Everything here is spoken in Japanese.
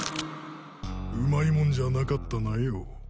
うまいもんじゃなかったなよ。